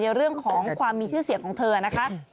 เรื่องของความมีชื่อเสียงของเธอนะคะ